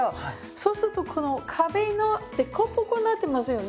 そうするとこの壁の凸凹になってますよね。